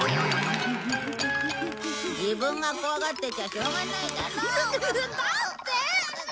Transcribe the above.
自分が怖がってちゃしょうがないだろう！だって！うう！